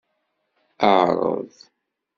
Ɛreḍ!